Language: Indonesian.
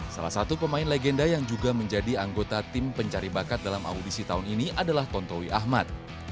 salah satu pemain legenda yang juga menjadi anggota tim pencari bakat dalam audisi tahun ini adalah tontowi ahmad